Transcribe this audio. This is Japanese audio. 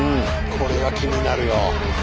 これは気になるよ。